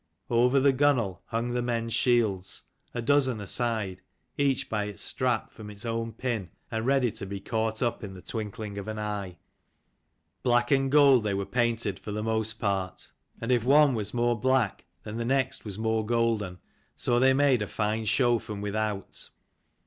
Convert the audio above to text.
Over the gunwale hung the men's shields, a dozen aside, each by its strap from its own pin, and ready to be caught up in the twinkling of an eye. Black and gold they 14 were painted for the most part, and if one was more black then the next was more golden, so they made a fine show from without.